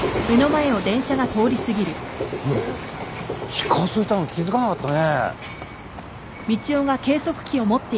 近づいたの気付かなかったね。